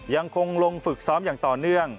ยังคงลงฝึกซ้อมอย่างต่อเนื่อง